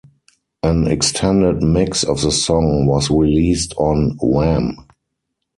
An extended mix of the song was released on Wham!